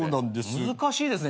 難しいですね